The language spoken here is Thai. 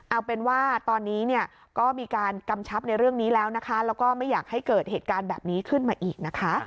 เอาเป็นว่าตอนนี้เนี่ยก็มีการกำชับในเรื่องนี้แล้วนะคะแล้วก็ไม่อยากให้เกิดเหตุการณ์แบบนี้ขึ้นมาอีกนะคะ